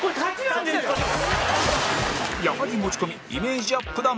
矢作持ち込みイメージアップだ！